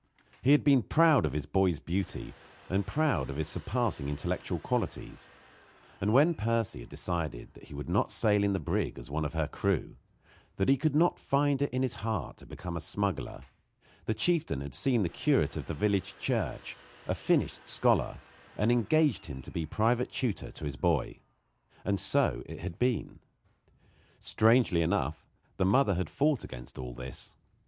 He had been proud of his boy's beauty and proud of his surpassing intellectual qualities; and when Percy had decided that he would not sail in the brig as one of her crew that he could not find it in his heart to become a smuggler the chieftain had seen the curate of the village church, a finished scholar, and engaged him to be private tutor to his boy. And so it had been. Strangely enough, the mother had fought against all this.